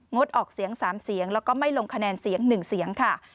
ออกเสียง๓เสียงแล้วก็ไม่ลงคะแนนเสียง๑เสียงค่ะ